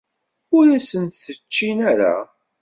Ur asen-t-ččin ara.